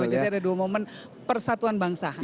jadi ada dua momen persatuan bangsa